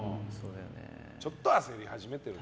ちょっと焦り始めてると。